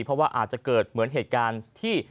เพราะว่าอาจจะเกิดเหมือนเหตุการณ์ที่